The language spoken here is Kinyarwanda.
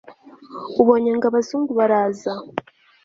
ubonye ngo abazungu baraza